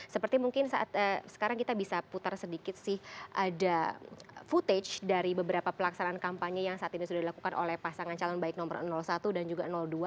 seperti mungkin saat sekarang kita bisa putar sedikit sih ada footage dari beberapa pelaksanaan kampanye yang saat ini sudah dilakukan oleh pasangan calon baik nomor satu dan juga dua